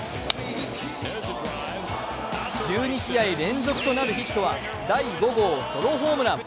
１２打席連続となるヒットは第５号ソロホームラン。